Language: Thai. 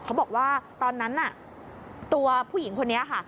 เขาบอกว่าตอนนั้นน่ะตัวผู้หญิงคนนี้ค่ะ